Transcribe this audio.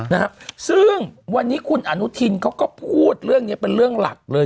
นะครับซึ่งวันนี้คุณอนุทินเขาก็พูดเรื่องเนี้ยเป็นเรื่องหลักเลย